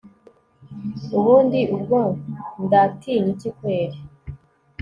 ubundi ubwo ndatinyiki kweli